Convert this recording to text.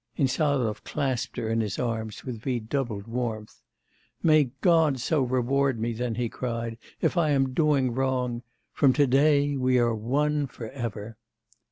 Insarov clasped her in his arms with redoubled warmth. 'May God so reward me then,' he cried, 'if I am doing wrong! From to day, we are one for ever!